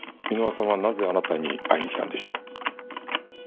箕輪さんはなぜあなたに会いにきたんでしょう？